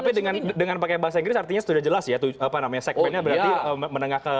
tapi dengan pakai bahasa inggris artinya sudah jelas ya segmennya berarti menengah ke bawah